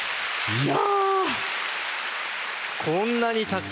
いや。